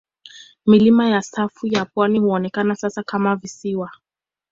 Milima ya safu ya pwani huonekana sasa kama visiwa.